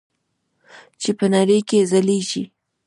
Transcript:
چې په نړۍ کې ځلیږي.